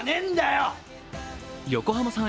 横浜さん